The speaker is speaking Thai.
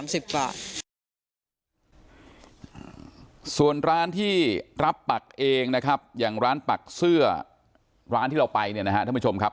ส่วนร้านที่รับปักเองนะครับอย่างร้านปักเสื้อร้านที่เราไปเนี่ยนะฮะท่านผู้ชมครับ